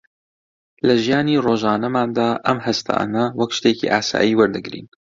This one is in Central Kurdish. لە ژیانی ڕۆژانەماندا ئەم هەستانە وەک شتێکی ئاسایی وەردەگرین